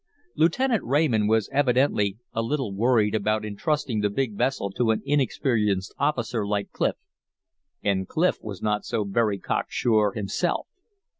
Lieutenant Raymond was evidently a little worried about intrusting that big vessel to an inexperienced officer like Clif, and Clif was not so very cock sure himself.